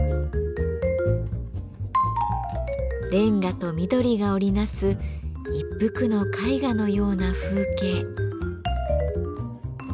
レンガと緑が織り成す一幅の絵画のような風景。